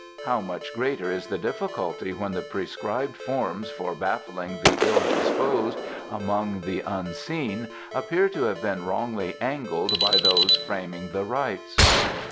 How much greater is the difficulty when the prescribed forms for baffling the ill disposed among the unseen appear to have been wrongly angled by those framing the Rites!"